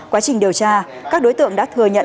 quá trình điều tra các đối tượng đã thừa nhận